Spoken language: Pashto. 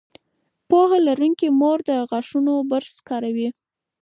پوهه لرونکې مور د غاښونو برش کاروي.